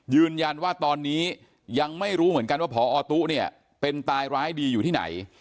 ยืนยันว่าตอนนี้ยังไม่รู้เหมือนกันว่าพอตู้เนี่ยเป็นตายร้ายดีอยู่ที่ไหน